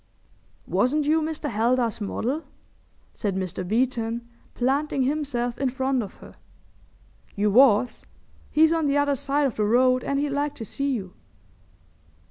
"Wasn't you Mr. Heldar's model?" said Mr. Beeton, planting himself in front of her. "You was. He's on the other side of the road and he'd like to see you."